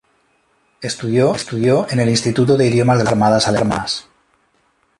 Estudió en el Instituto de Idiomas de las Fuerzas Armadas Alemanas.